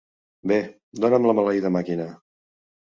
Bé, dona'm la maleïda màquina.